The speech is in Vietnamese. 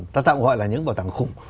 ta tạo gọi là những cái bảo tàng khủng